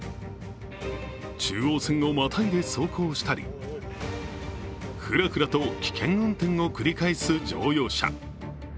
中央線をまたいで走行したり、フラフラと危険運転を繰り返す乗用車。